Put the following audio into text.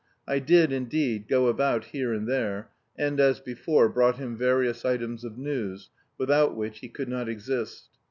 I did, indeed, go about here and there, and, as before, brought him various items of news, without which he could not exist.